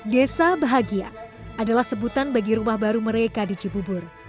desa bahagia adalah sebutan bagi rumah baru mereka di cibubur